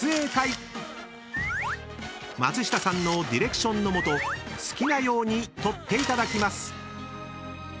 ［松下さんのディレクションの下好きなように撮っていただきます］